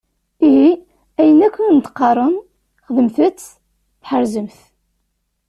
Ihi, ayen akk i wen-d-qqaren, xedmet-tt tḥerzem-t.